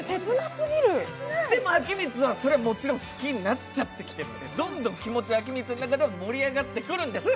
でも、彰充は、もちろん好きになってきちゃってるんでどんどん気持ち、彰充の中では盛り上がってくるんです。